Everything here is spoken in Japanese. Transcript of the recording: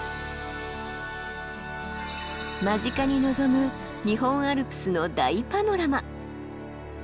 間近に望む日本アルプスの大パノラマ。